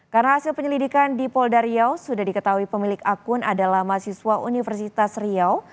karena hasil penyelidikan di polda riau sudah diketahui pemilik akun adalah mahasiswa universitas riau